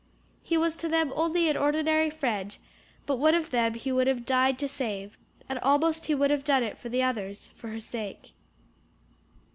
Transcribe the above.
He was to them only an ordinary friend, but one of them he would have died to save, and almost he would have done it for the others for her sake.